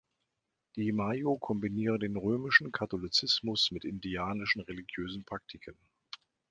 Die Mayo kombinieren den römischen Katholizismus mit indianischen religiösen Praktiken.